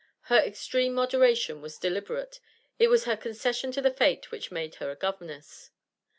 Her extreme moderation was deliberate; it was her concession to the fate which made her a governess.